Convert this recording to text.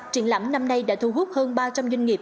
triển lãm năm nay đã thu hút hơn ba trăm linh doanh nghiệp